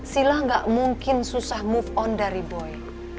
sila gak mungkin susah move on dari boy